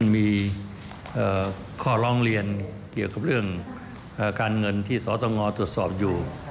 มีข้อร้องเรียนเกี่ยวกับเรื่องการเงินที่สตงตรวจสอบอยู่